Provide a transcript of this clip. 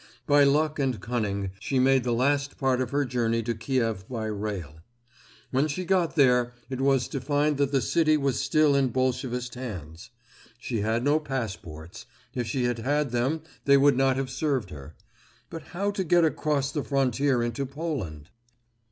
By luck and cunning she made the last part of her journey to Kiev by rail. When she got there it was to find that the city was still in Bolshevist hands. She had no passports; if she had had them, they would not have served her. But how to get across the frontier into Poland?